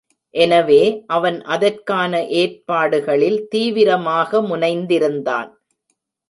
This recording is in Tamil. எனவே அவன் அதற்கான ஏற்பாடுகளில் தீவிரமாக முனைந்திருந்தான்.